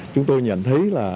chúng tôi nhận thấy là